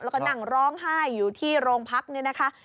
แล้วก็นั่งร้องไห้อยู่ที่โรงพักเนี่ยนะคะ